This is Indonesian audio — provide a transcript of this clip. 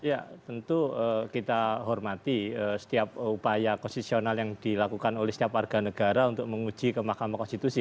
ya tentu kita hormati setiap upaya konstitusional yang dilakukan oleh setiap warga negara untuk menguji ke mahkamah konstitusi